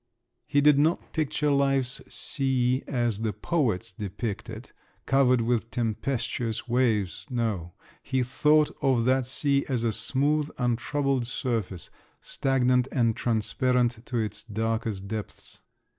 He did not picture life's sea, as the poets depict it, covered with tempestuous waves; no, he thought of that sea as a smooth, untroubled surface, stagnant and transparent to its darkest depths.